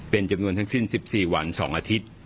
เป็นจำนวนทั้งสิ้น๑๔วัน๒อาทิตย์